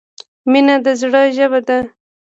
مینه د زړه ژبه ده.